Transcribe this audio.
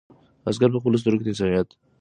عسکر په خپلو سترګو د انسانیت یو لویه معجزه ولیده.